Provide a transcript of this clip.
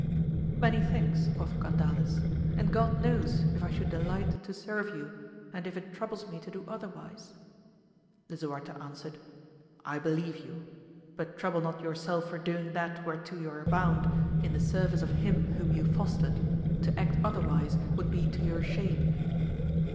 Many thanks, quoth Gandales, and God knows if I should delight to serve you, and if it troubles me to do otherwise. Lisuarte answered, I believe you. But trouble not yourself for doing that whereto you are bound, in the service of him whom you fostered: to act otherwise would be to your shame.